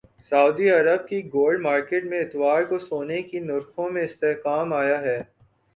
سعودی عرب کی gold market میں اتوار کو سونے کے نرخوں میں استحکام آیا ہے